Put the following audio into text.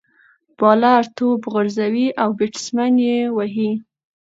بالر توپ غورځوي، او بيټسمېن ئې وهي.